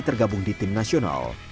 tergabung di tim nasional